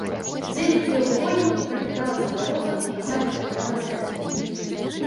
Дзе-нідзе ў хвойніку пракідалася бяроза, часамі траплялася асіна.